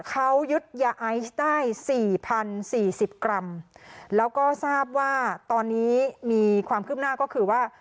เขายึดยาไอซ์ได้สี่พันสี่สิบกรัมแล้วก็ทราบว่าตอนนี้มีความคืบหน้าก็คือว่า